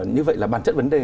như vậy là bản chất vấn đề